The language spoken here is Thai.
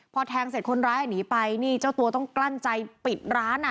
พอแทงเสร็จคนร้ายหนีไปนี่เจ้าตัวต้องกลั้นใจปิดร้านอ่ะ